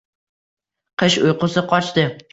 Qish uyqusi qochdi